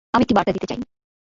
আমি একটি বার্তা দিতে চাই।